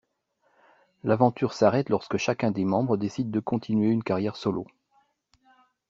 L'aventure s’arrête lorsque chacun des membres décide de continuer une carrière solo.